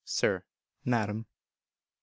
Sir (Madam).